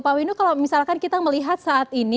pak windu kalau misalkan kita melihat saat ini